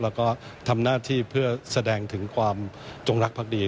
แล้วก็ทำหน้าที่เพื่อแสดงถึงความจงรักภักดี